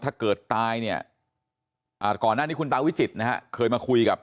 ถ้าเกิดตายเนี่ยก่อนหน้านี้คุณตาวิจิตรนะฮะเคยมาคุยกับ